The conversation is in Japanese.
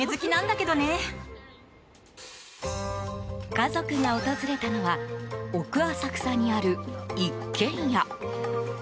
家族が訪れたのは奥浅草にある一軒家。